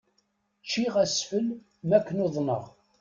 Ččiɣ asfel makken uḍneɣ.